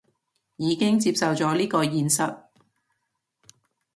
已經接受咗呢個現實